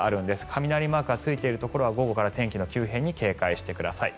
雷マークがついているところは午後から天気の急変に警戒してください。